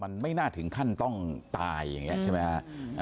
มันไม่น่าถึงขั้นต้องตายอย่างนี้ใช่ไหมฮะ